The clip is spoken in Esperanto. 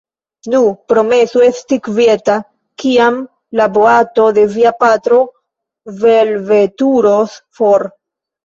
Nu, promesu esti kvieta, kiam la boato de via patro velveturos for.